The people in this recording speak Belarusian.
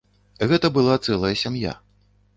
Гэта была цэлая сям'я.